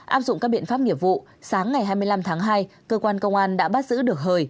áp dụng các biện pháp nghiệp vụ sáng ngày hai mươi năm tháng hai cơ quan công an đã bắt giữ được hời